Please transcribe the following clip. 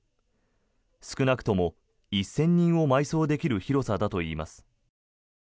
少なくとも１０００人を埋葬できる広さだといいます。